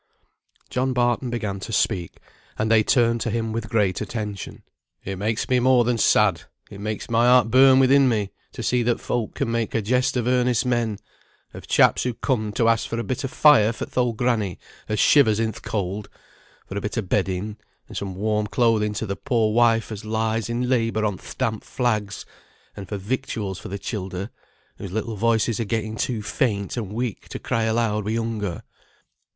John Barton began to speak; they turned to him with great attention. "It makes me more than sad, it makes my heart burn within me, to see that folk can make a jest of earnest men; of chaps who comed to ask for a bit o' fire for th' old granny, as shivers in th' cold; for a bit o' bedding, and some warm clothing to the poor wife as lies in labour on th' damp flags; and for victuals for the childer, whose little voices are getting too faint and weak to cry aloud wi' hunger.